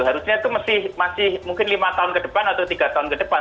harusnya itu masih mungkin lima tahun ke depan atau tiga tahun ke depan